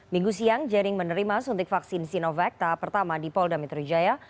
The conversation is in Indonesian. minggu siang jering menerima suntik vaksin sinovac tahap pertama di polda metro jaya